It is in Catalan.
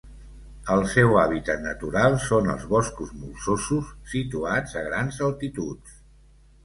El seu hàbitat natural són els boscos molsosos situats a grans altituds.